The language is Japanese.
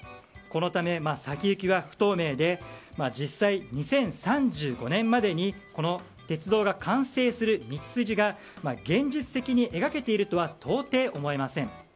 このため、先行きは不透明で実際、２０３５年までにこの鉄道が完成する道筋が現実的に描けているとは到底思えません。